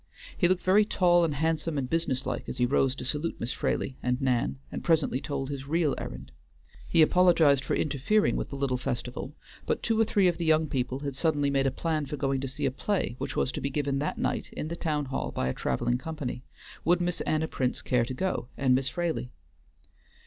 He looked very tall and handsome and business like as he rose to salute Miss Fraley and Nan, and presently told his real errand. He apologized for interfering with the little festival, but two or three of the young people had suddenly made a plan for going to see a play which was to be given that night in the town hall by a traveling company. Would Miss Anna Prince care to go, and Miss Fraley?